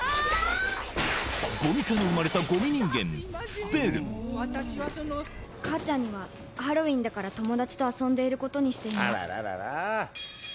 ゴミから生まれたゴミ人間プペル母ちゃんにはハロウィンだから友達と遊んでることにしています